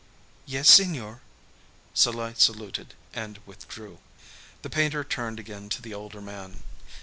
"Yes, Signor." Salai saluted and withdrew. The painter turned again to the older man.